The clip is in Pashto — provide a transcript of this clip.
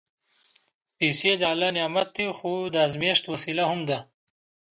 پېسې د الله نعمت دی، خو د ازمېښت وسیله هم ده.